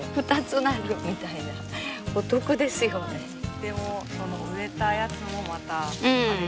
でもその植えたやつもまた種になる。